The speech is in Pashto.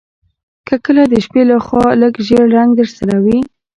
که کله د شپې لخوا لږ ژیړ رنګ درسره وي